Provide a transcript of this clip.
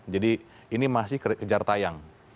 jadi ini masih kejar tayang